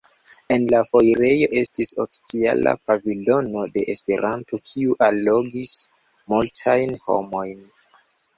En la foirejo estis oficiala pavilono de Esperanto, kiu allogis multajn homojn.